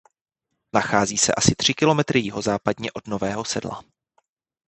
Nachází se asi tři kilometry jihozápadně od Nového Sedla.